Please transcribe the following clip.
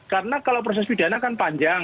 karena kalau proses pidana kan panjang